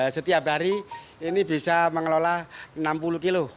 setiap hari ini bisa mengelola enam puluh kilo